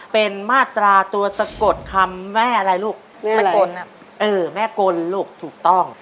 เป็นมาตราตัวสะกดคำแม่อะไรลูกแม่กล่อแม่กลลูกถูกต้อง